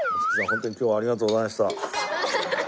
ホントに今日はありがとうございました。